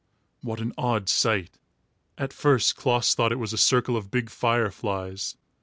What an odd sight! At first Klaas thought it was a circle of big fire flies.